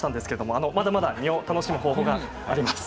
まだまだ実を楽しむ方法があります。